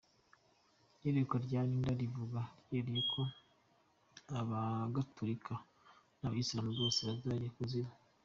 Iyerekwa rya Linda rivuga ryeruye ko Abagaturika n’Abayisilamu bose bazajya i kuzimu.